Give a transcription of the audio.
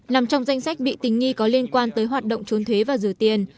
nằm trong danh sách bị tình nghi có liên quan tới hoạt động trốn thuế và rửa tiền